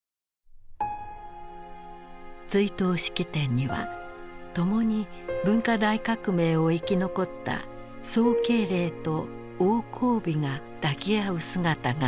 追悼式典には共に文化大革命を生き残った宋慶齢と王光美が抱き合う姿があった。